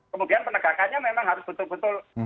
kemudian penegakannya memang harus betul betul